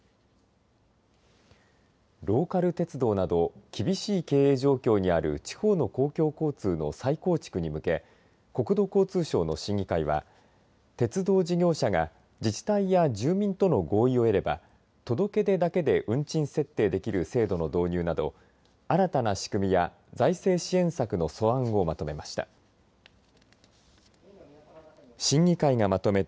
ローカル鉄道など厳しい経営情報に状況にある地方の公共交通の再構築に向け国土交通省の審議会は鉄道事業者が自治体や住民との合意を得れば届け出だけで運賃設定できる制度の導入など新たな仕組みや財政支援策の素案をまとめました。